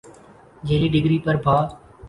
جعلی ڈگری پر بھا